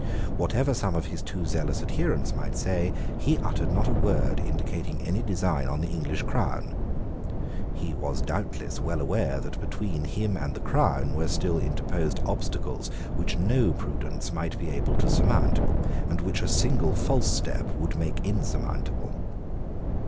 Whatever some of his too zealous adherents might say, he uttered not a word indicating any design on the English crown. He was doubtless well aware that between him and that crown were still interposed obstacles which no prudence might be able to surmount, and which a single false step would make insurmountable.